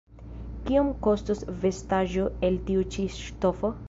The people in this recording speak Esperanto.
Kiom kostos vestaĵo el tiu ĉi ŝtofo?